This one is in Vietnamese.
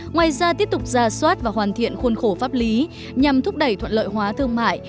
ngoài ra tiếp tục ra soát và hoàn thiện khuôn khổ pháp lý nhằm thúc đẩy thuận lợi hóa thương mại